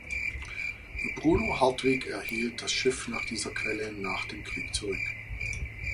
Bruno Hartwig erhielt das Schiff nach dieser Quelle nach dem Krieg zurück.